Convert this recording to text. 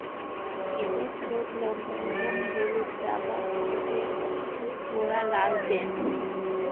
এদের ঠোঁট লম্বা এবং হলুদাভ, ঠোঁটের গোড়া লালাচে।